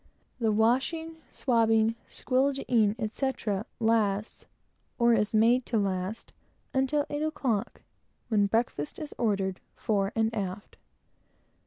The washing, swabbing, squilgeeing, etc., lasts, or is made to last, until eight o'clock, when breakfast is ordered, fore and aft.